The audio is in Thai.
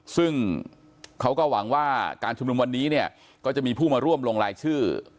ซึ่งเขาก็หวังว่าการชุมนุมวันนี้เนี่ยก็จะมีผู้มาร่วมลงรายชื่อ